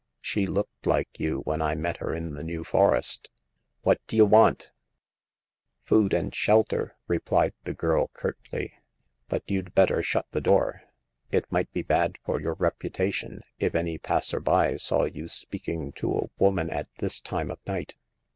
She looked like you when I met her in the New Forest. What d'ye want ?"" Food and shelter," replied the girl, curtly. But you'd better shut the door ; it might be bad for your reputation if any passer by saw you speaking to a woman at this time of night."